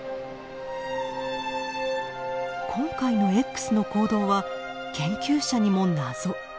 今回のＸの行動は研究者にも謎。